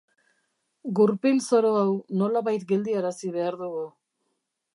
Gurpil zoro hau nolabait geldiarazi behar dugu.